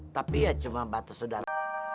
tapi ya cuma batas udara